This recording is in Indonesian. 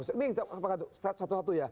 ini satu satu ya